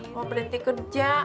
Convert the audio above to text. mau berhenti kerja